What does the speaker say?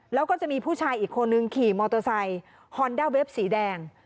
แล้วก็จะมีผู้ชายอีกคนนึงขี่มอเตอร์ไซค์ฮอนด้าเวฟสีแดง